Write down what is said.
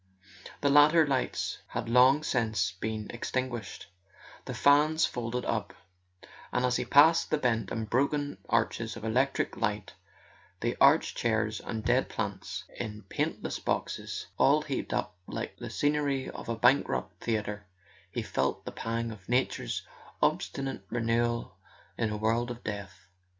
The latter lights had long since been extinguished, the fans folded up; and as he passed the bent and broken arches of electric light, the iron chairs and dead plants [ 218 ] A SON AT THE FRONT in paintless boxes, all heaped up like the scenery of a bankrupt theatre, he felt the pang of Nature's obstinate renewal in a world of death.